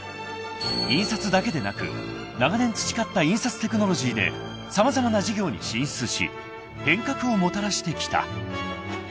［印刷だけでなく長年培った印刷テクノロジーで様々な事業に進出し変革をもたらしてきた］